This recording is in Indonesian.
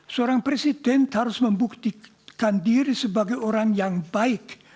seorang presiden harus membuktikan diri sebagai orang yang baik